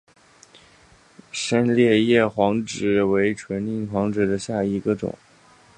深裂叶黄芩为唇形科黄芩属下的一个种。